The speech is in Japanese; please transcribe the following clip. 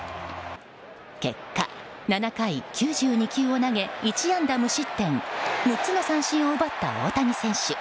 結果、７回９２球を投げ１安打無失点６つの三振を奪った大谷選手。